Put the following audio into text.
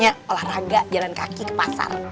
misalnya olahraga jalan kaki ke pasar